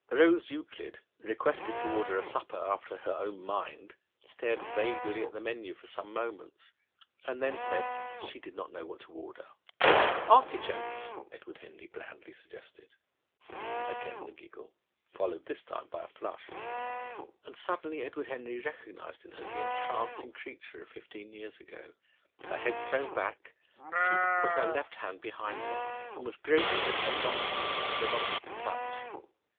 Rose Euclid, requested to order a supper after her own mind, stared vaguely at the menu for some moments, and then said that she did not know what to order. "Artichokes?" Edward Henry blandly suggested. Again the giggle, followed this time by a flush! And suddenly Edward Henry recognised in her the entrancing creature of fifteen years ago! Her head thrown back, she had put her left hand behind her, and was groping with her long fingers for an object to touch.